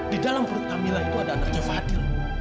di dalam perut camilan itu ada anaknya fadil